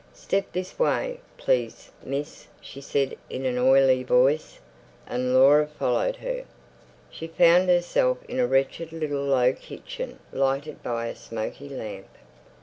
"Step this way, please, miss," she said in an oily voice, and Laura followed her. She found herself in a wretched little low kitchen, lighted by a smoky lamp.